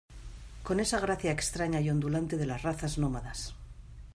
con esa gracia extraña y ondulante de las razas nómadas